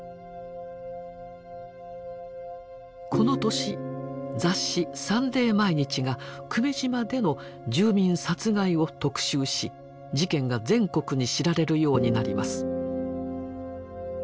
この年雑誌「サンデー毎日」が久米島での住民殺害を特集し事件が全国に知られるようになります。